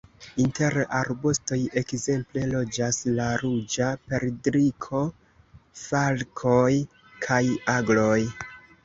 Inter arbustoj ekzemple loĝas la Ruĝa perdriko, falkoj kaj agloj.